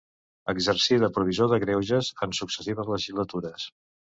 Exercí de provisor de greuges en successives legislatures.